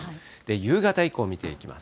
夕方以降見ていきます。